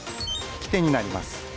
引き手になります。